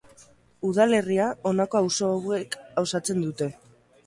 Udalerria honako auzoek osatzen dute.